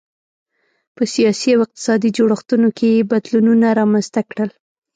په سیاسي او اقتصادي جوړښتونو کې یې بدلونونه رامنځته کړل.